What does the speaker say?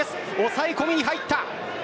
抑え込みに入った。